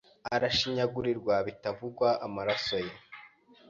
Arashinyagurirwa bitavugwa Amaraso ye